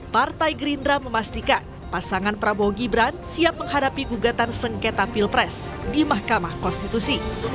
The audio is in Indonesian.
partai gerindra memastikan pasangan prabowo gibran siap menghadapi gugatan sengketa pilpres di mahkamah konstitusi